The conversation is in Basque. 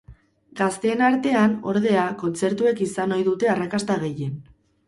Gazteen artean, ordea, kontzertuek izan ohi dute arrakasta gehien.